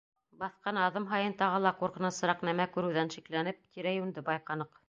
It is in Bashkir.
Баҫҡан аҙым һайын тағы ла ҡурҡынысыраҡ нәмә күреүҙән шикләнеп, тирә-йүнде байҡаныҡ.